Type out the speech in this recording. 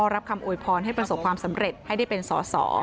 รับคำโวยพรให้ประสบความสำเร็จให้ได้เป็นสอสอ